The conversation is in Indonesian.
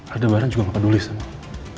aldebaran juga tidak peduli sama kamu